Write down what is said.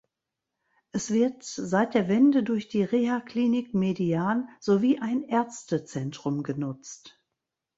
Es wird seit der Wende durch die Rehaklinik "Median" sowie ein Ärztezentrum genutzt.